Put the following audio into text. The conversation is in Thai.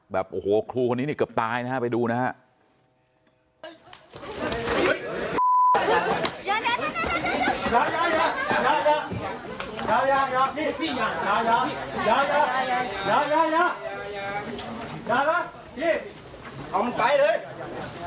แบบโอ้โหครูคนนี้นี่เกือบตายนะฮะไปดูนะฮะ